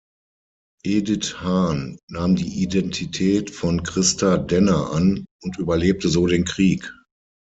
Edith Hahn nahm die Identität von Christa Denner an und überlebte so den Krieg.